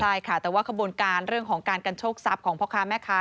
ใช่ค่ะแต่ว่าขบวนการเรื่องของการกันโชคทรัพย์ของพ่อค้าแม่ค้า